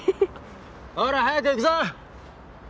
ほら早く行くぞ！